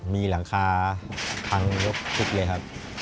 มีหลังคาพังยกฟุบเลยครับ